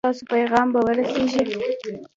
ایا ستاسو پیغام به ورسیږي؟